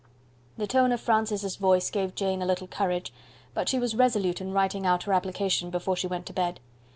The tone of Francis' voice gave Jane a little courage; but she was resolute in writing out her application before she went to bed.